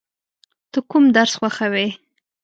ته کوم درس خوښوې؟